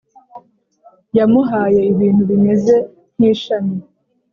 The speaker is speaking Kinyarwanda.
Yamuhaye ibintu bimeze nkishami